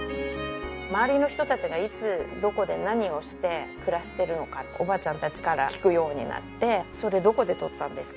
周りの人たちがいつどこで何をして暮らしているのかおばあちゃんたちから聞くようになってそれどこでとったんですか？